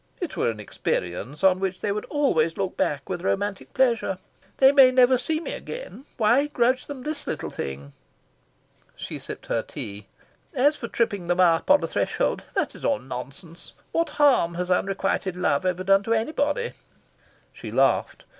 It were an experience on which they would always look back with romantic pleasure. They may never see me again. Why grudge them this little thing?" She sipped her tea. "As for tripping them up on a threshold that is all nonsense. What harm has unrequited love ever done to anybody?" She laughed.